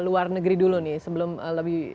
luar negeri dulu nih sebelum lebih